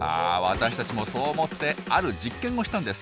私たちもそう思ってある実験をしたんです。